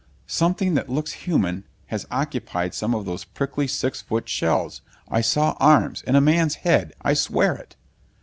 "Something that looks human has occupied some of those prickly, six foot shells. I saw arms and a man's head! I swear it!"